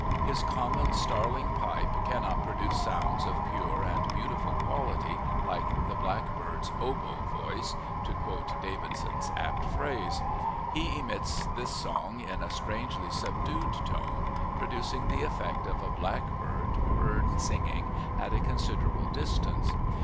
His common starling pipe cannot produce sounds of pure and beautiful quality, like the blackbird's "oboe voice," to quote Davidson's apt phrase: he emits this song in a strangely subdued tone, producing the effect of a blackbird heard singing at a considerable distance.